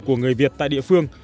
của người việt tại địa phương